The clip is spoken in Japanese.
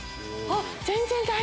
あっ全然だ！